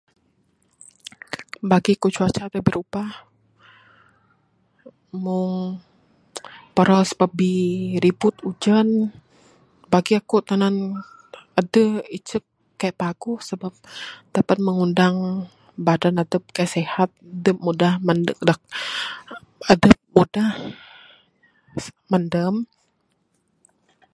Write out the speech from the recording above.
Bagi ku cuaca da berubah meh paras babbi ribut ujan bagi aku tanan adeh icek kaik paguh taban mengundang badan adep kaik sihat dep mudah mandeg adep mudah mandam